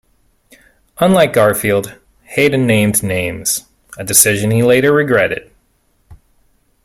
Unlike Garfield, Hayden "named names", a decision he later regretted.